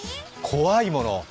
怖いもの？